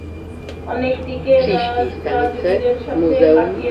অনেক দিন সে রাজবীরের সাথে কাটিয়েছে।